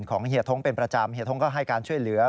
เฮียท้งเป็นประจำเฮียท้งก็ให้การช่วยเหลือ